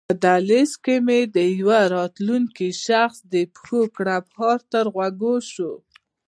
په دهلېز کې مې د یوه راتلونکي شخص د پښو کړپهاری تر غوږو شو.